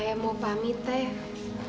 kan aku mau ka extrem